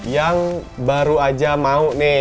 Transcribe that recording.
yang baru aja mau nih